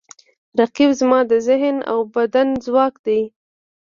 رقیب زما د ذهن او بدن ځواک دی